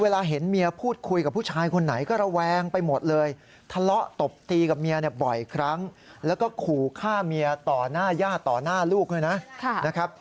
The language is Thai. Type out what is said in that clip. ต่อหน้าญาติต่อหน้าลูกด้วยนะนะครับค่ะ